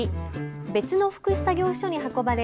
別の福祉作業所に運ばれ